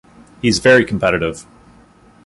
He's very competitive.